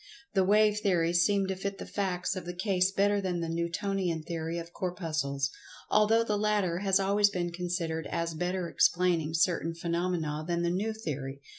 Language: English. The Wave theory seemed to fit the facts of the case better than the Newtonian Theory of Corpuscles, although the latter has always been considered as better explaining certain phenomena than the new theory.